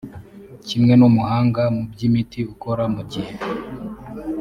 kimwe n umuhanga mu by imiti ukora mu gihe